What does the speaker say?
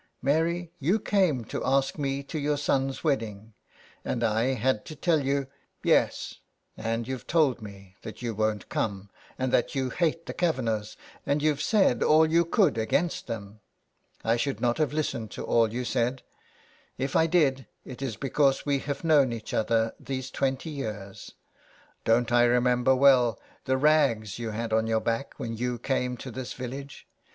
Mary, you came to ask me to your son's wed ding, and I had to tell you "'' Yes, and you've told me that you won't come and that you hate the Kavanaghs, and you've said all you could against them. I should not have listened to all you said ; if I did, it is because we have known each other these twenty years. Don't I remember well the rags you had on your back when you came to this village.